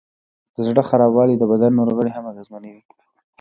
د زړه خرابوالی د بدن نور غړي هم اغېزمنوي.